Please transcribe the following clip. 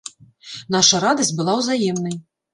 Наша радасць была ўзаемнай.